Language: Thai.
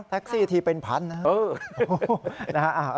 แท็กซี่ทีเป็นพันนะ